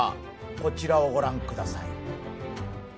こちらを御覧ください。